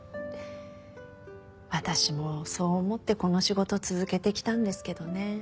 私もそう思ってこの仕事続けてきたんですけどね。